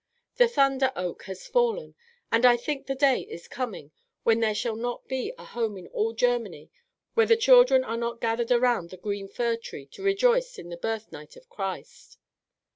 The thunder oak has fallen, and I think the day is coming when there shall not be a home in all Germany where the children are not gathered around the green fir tree to rejoice in the birth night of Christ."